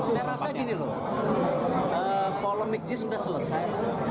saya rasa gini loh polemik jis sudah selesai